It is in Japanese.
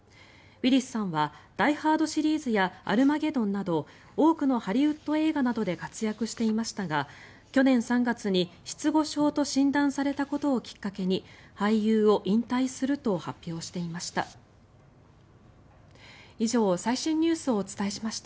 ウィリスさんは「ダイ・ハード」シリーズや「アルマゲドン」など多くのハリウッド映画などで活躍していましたが去年３月に失語症と診断されたことをきっかけに俳優を引退すると発表していました。